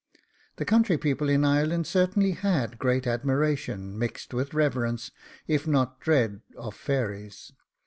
The country people in Ireland certainly HAD great admiration mixed with reverence, if not dread, of fairies.